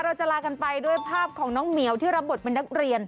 เราจะลากันไปด้วยภาพของน้องเหมียวที่รับบทเป็นนักเรียน